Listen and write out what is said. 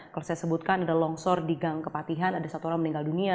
kalau saya sebutkan ada longsor di gang kepatihan ada satu orang meninggal dunia